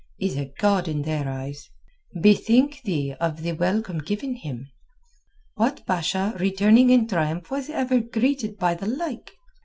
—is a god in their eyes. Bethink thee of the welcome given him! What Basha returning in triumph was ever greeted by the like?